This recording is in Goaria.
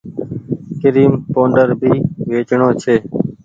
ڪريم پوڊر ڀي ويچڻو ڇي۔